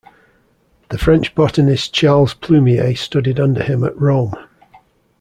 The French botanist Charles Plumier studied under him at Rome.